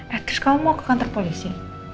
ya terus kamu mau ke kantor polisi